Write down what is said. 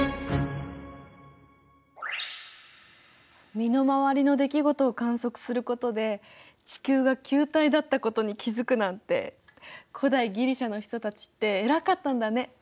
身の回りの出来事を観測することで地球が球体だったことに気付くなんて古代ギリシアの人たちって偉かったんだね。